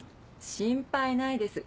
心配ないです